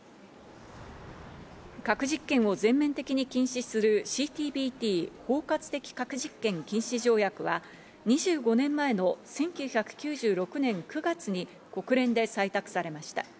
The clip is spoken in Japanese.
核実験を全面的に禁止するＣＴＢＴ＝包括的核実験禁止条約は２５年前の１９９６年９月に国連で採択されました。